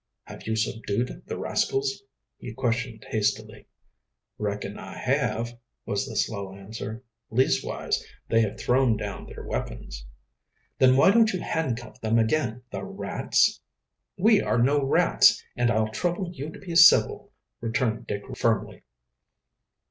"Have you subdued the rascals?" he questioned hastily. "Reckon I have," was the slow answer, "Leas'wise, they have thrown down their weapons." "Then why don't you handcuff them again, the rats!" "We are no rats, and I'll trouble you to be civil," returned Dick firmly.